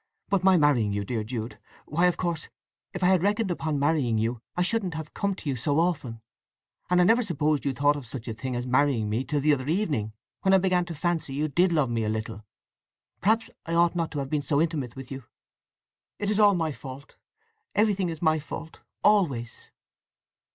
But my marrying you, dear Jude—why, of course, if I had reckoned upon marrying you I shouldn't have come to you so often! And I never supposed you thought of such a thing as marrying me till the other evening; when I began to fancy you did love me a little. Perhaps I ought not to have been so intimate with you. It is all my fault. Everything is my fault always!"